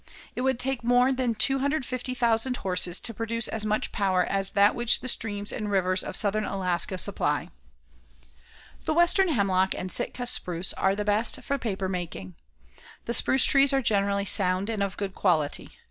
It would take more than 250,000 horses to produce as much power as that which the streams and rivers of southern Alaska supply. The western hemlock and Sitka spruce are the best for paper making. The spruce trees are generally sound and of good quality.